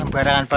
ada apaan sih